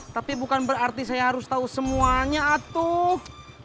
tapi bukan berarti saya harus tau semuanya atuk